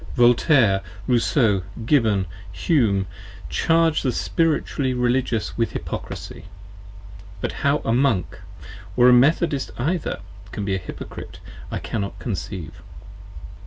. Voltaire, Rousseau, Gibbon, Hume, charge the Spiritually Religious with 30 Hypocrisy! but how a Monk, or a Methodist either, can be a Hypocrite, I cannot conceive.